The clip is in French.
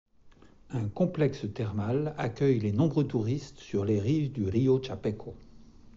Un complexe thermal accueille les nombreux touristes sur les rives du rio Chapecó.